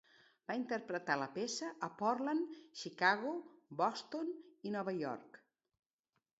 Va interpretar la peça a Portland, Chicago, Boston i Nova York.